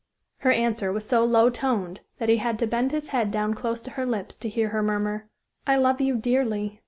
Her answer was so low toned that he had to bend his head down close to her lips to hear her murmur: "I love you dearly.